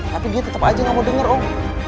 tapi dia tetep aja gak mau denger om